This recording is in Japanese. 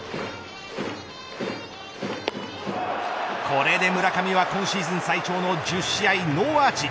これで村上は今シーズン最長の１０試合ノーアーチ。